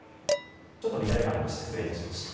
ちょっと乱れがありました。